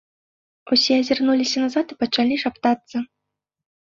Усе азірнуліся назад і пачалі шаптацца.